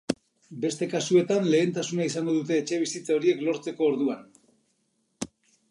Beste kasuetan, lehentasuna izango dute etxebizitza horiek lortzeko orduan.